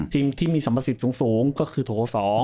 ทีมที่มีสำคัญสิทธิ์สูงก็คือโถ๒